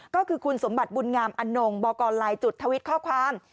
ก็คือคุณสมบัติบุญงามอนงบอกกรลายจุดทวิตข้อความ